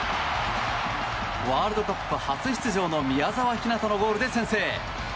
ワールドカップ初出場の宮澤ひなたのゴールで先制。